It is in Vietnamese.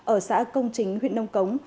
ở xã công chính huyện nông cống